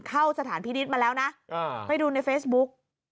เข้าสถานพินิษฐ์มาแล้วนะไปดูในเฟซบุ๊ก